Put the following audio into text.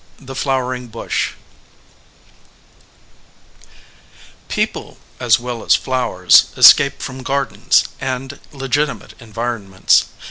THE FLOWERING BUSH PEOPLE as well as flowers escape from gardens, and legitimate environments.